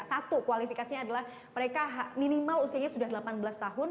satu kualifikasinya adalah mereka minimal usianya sudah delapan belas tahun